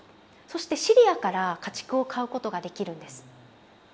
そしてシリアから家畜を買うことができるんです。